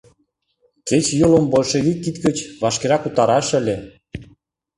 Кеч Юлым большевик кид гыч вашкерак утарыше ыле.